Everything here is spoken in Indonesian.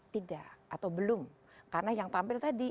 tidak atau belum karena yang tampil tadi